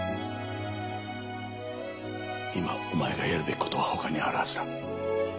今お前がやるべき事は他にあるはずだ。